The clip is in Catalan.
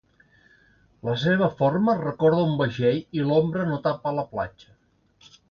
La seva forma recorda un vaixell i l'ombra no tapa la platja.